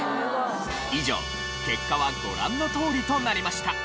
以上結果はご覧のとおりとなりました。